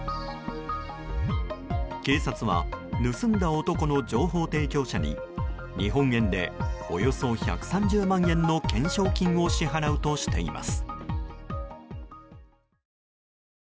警察は盗んだ男の情報提供者に日本円でおよそ１３０万円の懸賞金を支払うとしています。